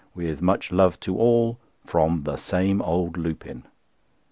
With much love to all, from The same old Lupin."